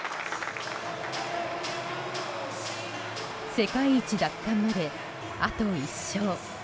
世界一奪還まであと１勝。